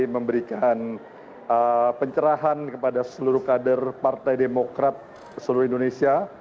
memberikan pencerahan kepada seluruh kader partai demokrat seluruh indonesia